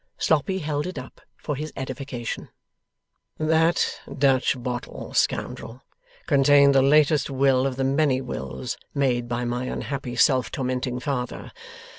Sloppy held it up, for his edification. 'That Dutch bottle, scoundrel, contained the latest will of the many wills made by my unhappy self tormenting father.